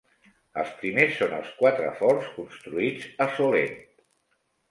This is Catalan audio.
Els primers són els quatre forts construïts a Solent.